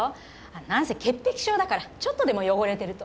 なんせ潔癖症だからちょっとでも汚れてると。